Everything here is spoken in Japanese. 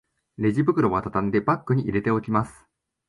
レジ袋はたたんでバッグに入れておきます